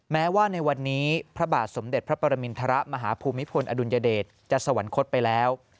แม้ว่าในวันนี้พระบาทสมเด็จพระปรมินทรมาฮภูมิพลอดุลยเดชจะสวรรคตไปแล้ว